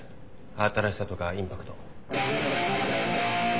新しさとかインパクト。